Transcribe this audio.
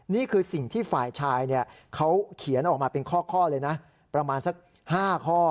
นี่คือสิ่งที่ฝ่ายชายเขาเขียนออกมาเป็นข้อเลยนะประมาณสัก๕ข้อ